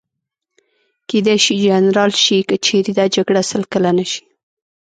کېدای شي جنرال شي، که چېرې دا جګړه سل کلنه شي.